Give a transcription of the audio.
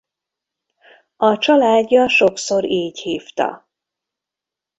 A családja sokszor így hívta.